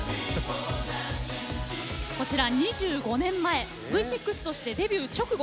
こちら２５年前Ｖ６としてデビュー直後